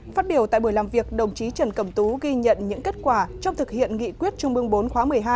phát biểu tại buổi làm việc đồng chí trần cẩm tú ghi nhận những kết quả trong thực hiện nghị quyết trung ương bốn khóa một mươi hai